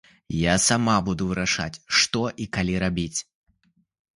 Я сама буду вырашаць, што і калі рабіць.